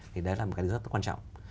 thì đấy là một cái thứ rất quan trọng